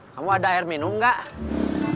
kamu ada air minum nggak